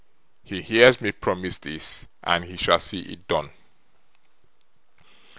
He hears me promise this, and he shall see it done.